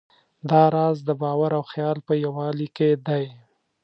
دا راز د باور او خیال په یووالي کې دی.